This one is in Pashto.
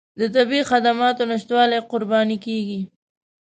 د طبي خدماتو نشتوالي قرباني کېږي.